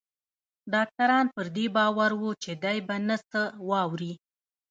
ډاکتران پر دې باور وو چې دی به نه څه واوري.